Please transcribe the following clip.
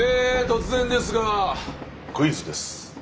突然ですがクイズです。